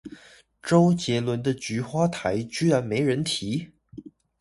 周杰倫的菊花台居然沒人提？